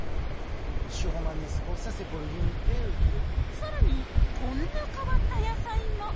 さらにこんな変わった野菜も。